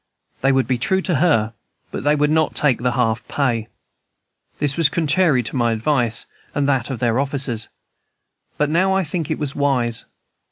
They would be true to her, but they would not take the half pay. This was contrary to my advice, and to that of other officers; but I now think it was wise.